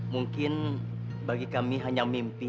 mungkin bagi kami hanya mimpi